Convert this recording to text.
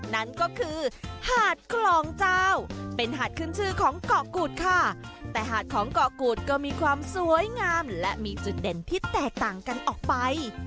นั่นก็คือหาดคลองเจ้าเป็นหาดขึ้นชื่อของเกาะกูดค่ะแต่หาดของเกาะกูดก็มีความสวยงามและมีจุดเด่นที่แตกต่างกันออกไป